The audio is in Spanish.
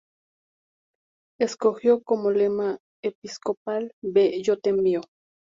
Escogió como lema episcopal: "Ve, Yo te envío.